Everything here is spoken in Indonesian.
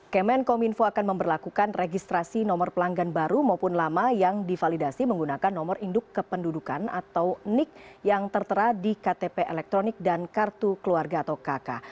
kemenkominfo akan memperlakukan registrasi nomor pelanggan baru maupun lama yang divalidasi menggunakan nomor induk kependudukan atau nik yang tertera di ktp elektronik dan kartu keluarga atau kk